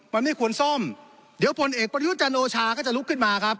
มันไม่ควรซ่อมเดี๋ยวผลเอกประยุทธ์จันโอชาก็จะลุกขึ้นมาครับ